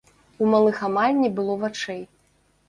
У малых амаль не было вачэй.